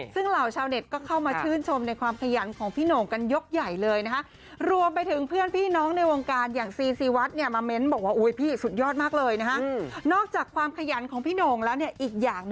ซึ่งเหล่าชาวเน็ตก็เข้ามาชื่นชมในความขยันของพี่โหน่งกันยกใหญ่เลยนะฮะ